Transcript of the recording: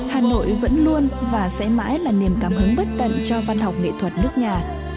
hà nội vẫn luôn và sẽ mãi là niềm cảm hứng bất tận cho văn học nghệ thuật nước nhà